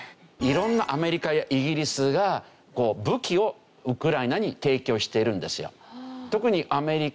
色んなアメリカやイギリスが武器をウクライナに提供しているんですよ。